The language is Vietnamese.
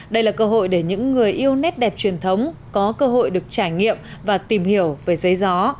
đây là cơ hội để những người yêu nét đẹp truyền thống có cơ hội được trải nghiệm và tìm hiểu về giấy gió